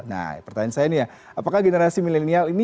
nah pertanyaan saya ini ya apakah generasi milenial ini